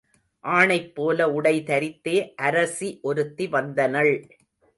ஆணைப் போல உடை தரித்தே அரசி ஒருத்தி வந்தனள்.